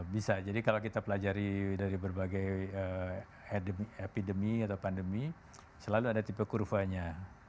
bisa jadi kalau kita pelajari dari berbagai epidemi atau pandemi selalu ada tipe kurvanya